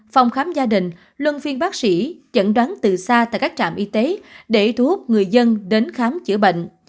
phòng khám gia đình luân phiên bác sĩ chẩn đoán từ xa tại các trạm y tế để thu hút người dân đến khám chữa bệnh